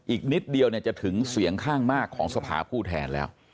อีกนิดเดียวจะถึงเสียงข้างมากของสภาผู้แทนแล้ว